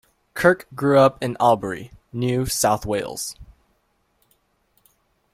Kirk grew up in Albury, New South Wales.